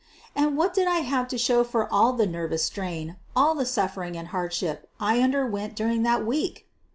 And what did I have to show for all the nervous strain, all the suffering and hardship I underwent during that week?